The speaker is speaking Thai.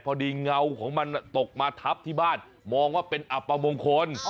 เงาของมันตกมาทับที่บ้านมองว่าเป็นอับประมงคล